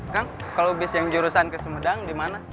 kang kalau bis yang jurusan kesemudang di mana